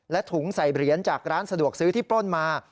และถุงใส่เหรียญจากร้านสะดวกซื้อที่ปล้นมา